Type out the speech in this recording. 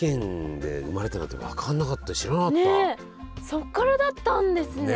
そっからだったんですね！